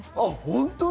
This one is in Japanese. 本当に？